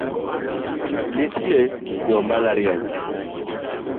Nitie jo mbalariany